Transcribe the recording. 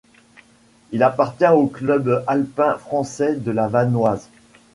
Il appartient au Club alpin français de la Vanoise.